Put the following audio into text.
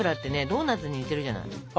ドーナツに似てるじゃない。